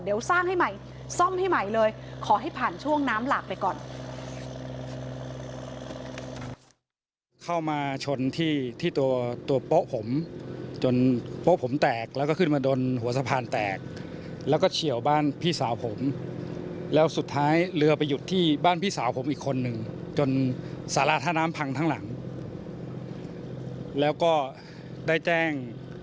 เดี๋ยวสร้างให้ใหม่ซ่อมให้ใหม่เลยขอให้ผ่านช่วงน้ำหลากไปก่อน